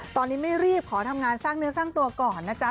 ตอนนี้ไม่รีบขอทำงานสร้างเนื้อสร้างตัวก่อนนะจ๊ะ